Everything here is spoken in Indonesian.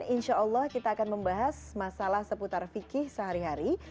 insya allah kita akan membahas masalah seputar fikih sehari hari